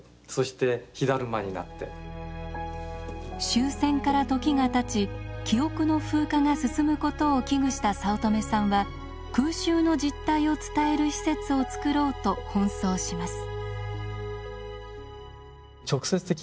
終戦から時がたち記憶の風化が進むことを危惧した早乙女さんは空襲の実態を伝える施設を作ろうと奔走します。